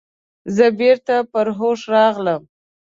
زه بیرته پر هوښ راغلم.